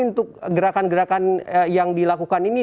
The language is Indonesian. untuk gerakan gerakan yang dilakukan ini